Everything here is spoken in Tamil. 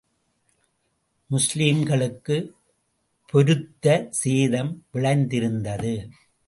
முஸ்லிம்களுக்குப் பெருத்த சேதம் விளைந்திருந்தது.